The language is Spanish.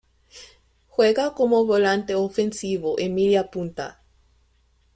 Juega como volante ofensivo y mediapunta.